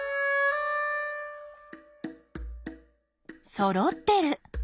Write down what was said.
そろってる。